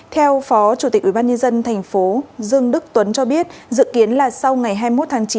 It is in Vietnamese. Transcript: theo phó chủ tịch ubnd tp dương đức tuấn cho biết dự kiến là sau ngày hai mươi một tháng chín